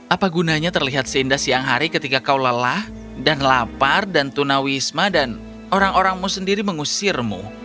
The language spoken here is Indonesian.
apa gunanya terlihat seindah siang hari ketika kau lelah dan lapar dan tunawisma dan orang orangmu sendiri mengusirmu